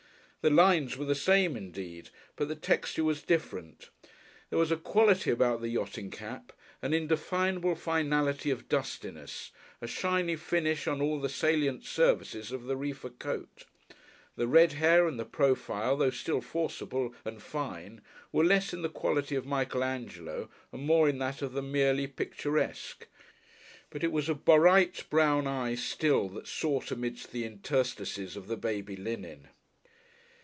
The lines were the same indeed, but the texture was different. There was a quality about the yachting cap, an indefinable finality of dustiness, a shiny finish on all the salient surfaces of the reefer coat. The red hair and the profile, though still forcible and fine, were less in the quality of Michael Angelo and more in that of the merely picturesque. But it was a bright brown eye still that sought amidst the interstices of the baby linen.